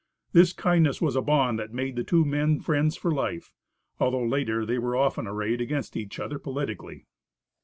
This kindness was a bond that made the two men friends for life, although later they were often arrayed against each other politically.